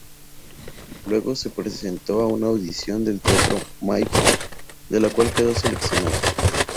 Luego se presentó a una audición del "Teatro Maipo", de la cual quedó seleccionada.